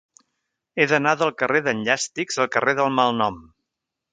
He d'anar del carrer d'en Llàstics al carrer del Malnom.